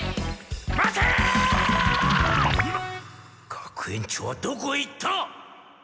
学園長はどこへ行った！？